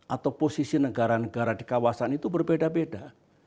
atau posisi negara negara di kawasan itu berbeda beda